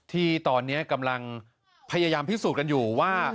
ที่ตอนนี้กำลังพยายามพิสูจน์กันอยู่ว่า